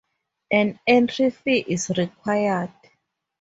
An entry fee is required.